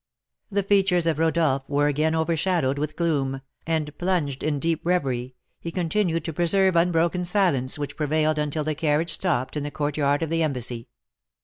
The features of Rodolph were again overshadowed with gloom, and, plunged in deep reverie, he continued to preserve unbroken the silence which prevailed until the carriage stopped in the courtyard of the embassy.